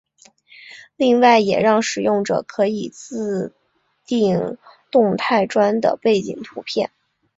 另外也让使用者可以自订动态砖的背景图片。